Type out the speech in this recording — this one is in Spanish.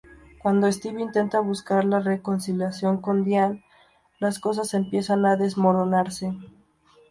Cuando Steve intenta buscar la reconciliación con Diane, las cosas empiezan a desmoronarse.